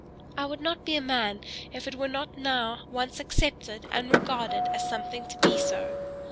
I would not be a man if it were not now once accepted and regarded as something to be so!